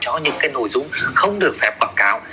cho những nội dung không được phép quảng cáo